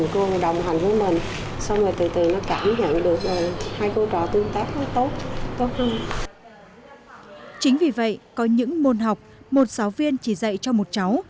chính vì vậy có những môn học một giáo viên chỉ dạy cho một cháu